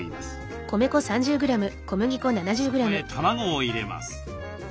そこへ卵を入れます。